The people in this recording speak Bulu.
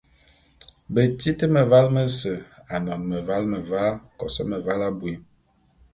Betit mevale mese, anon meval meva, kos meval abui.